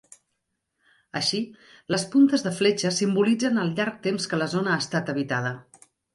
Així, les puntes de fletxa simbolitzen el llarg temps que la zona ha estat habitada.